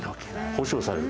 保証される。